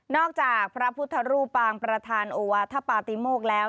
จากพระพุทธรูปปางประธานโอวาธปาติโมกแล้ว